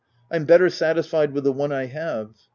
I'm better satisfied with the one I have.